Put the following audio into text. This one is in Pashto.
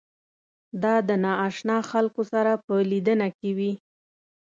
دا د نااشنا خلکو سره په لیدنه کې وي.